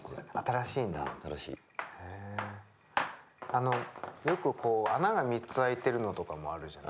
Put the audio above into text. あのよく穴が３つ開いてるのとかもあるじゃない。